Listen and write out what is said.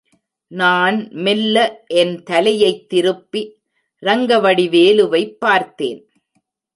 நான் மெல்ல என் தலையைத் திருப்பி ரங்கவடிவேலு வைப் பார்த்தேன்.